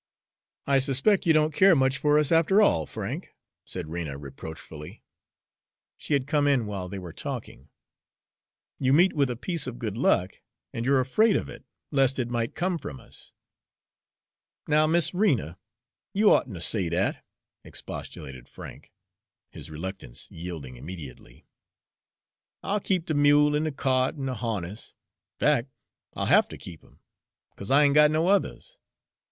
"I suspect you don't care much for us after all, Frank," said Rena reproachfully she had come in while they were talking. "You meet with a piece of good luck, and you're afraid of it, lest it might have come from us." "Now, Miss Rena, you oughtn't ter say dat," expostulated Frank, his reluctance yielding immediately. "I'll keep de mule an' de kyart an' de harness fac', I'll have ter keep 'em, 'cause I ain't got no others.